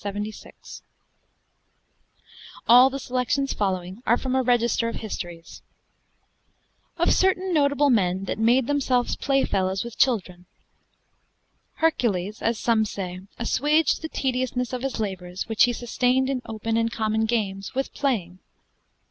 [All the selections following are from 'A Registre of Hystories'] OF CERTAIN NOTABLE MEN THAT MADE THEMSELVES PLAYFELLOWES WITH CHILDREN Hercules (as some say) assuaged the tediousness of his labors, which he sustayned in open and common games, with playing.